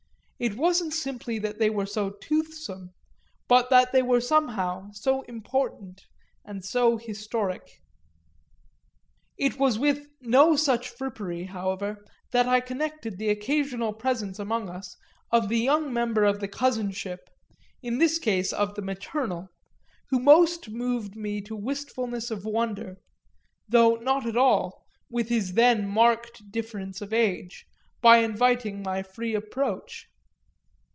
It wasn't simply that they were so toothsome, but that they were somehow so important and so historic. It was with no such frippery, however, that I connected the occasional presence among us of the young member of the cousinship (in this case of the maternal) who most moved me to wistfulness of wonder, though not at all, with his then marked difference of age, by inviting my free approach.